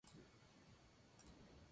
Salvador Díaz Mirón Col.